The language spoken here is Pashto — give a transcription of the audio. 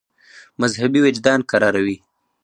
مذهبي وجدان کراروي.